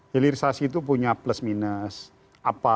hilirisasi itu punya plus minus